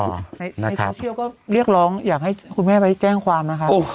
ในโซเชียลก็เรียกร้องอยากให้คุณแม่ไปแจ้งความนะคะ